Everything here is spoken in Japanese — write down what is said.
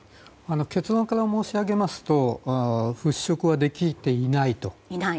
結論から申し上げますと払拭はできていないと。